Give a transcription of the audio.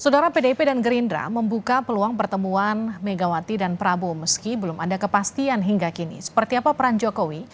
di berliputan kompas tv